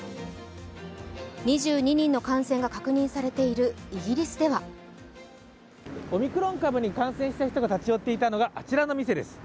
２２人の感染が確認されているイギリスではオミクロン株に感染した人が立ち寄っていたのがあちらの店です。